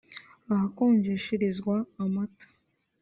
ahakonjesherezwa amata